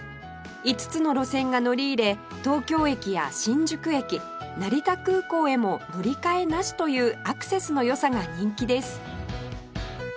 ５つの路線が乗り入れ東京駅や新宿駅成田空港へも乗り換えなしというアクセスの良さが人気です